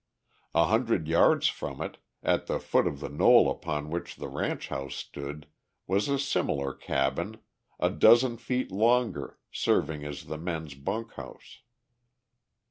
A hundred yards from it, at the foot of the knoll upon which the ranch house stood, was a similar cabin, a dozen feet longer, serving as the men's bunk house.